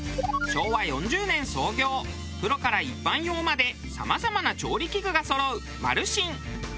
昭和４０年創業プロから一般用までさまざまな調理器具がそろうマルシン。